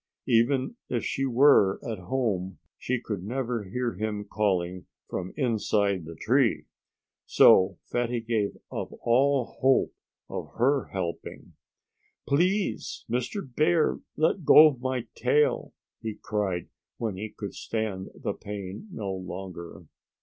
Even if she were at home she could never hear him calling from inside the tree. So Fatty gave up all hope of her helping. "Please, Mr. Bear, let go of my tail!" he cried, when he could stand the pain no longer.